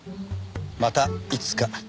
またいつか。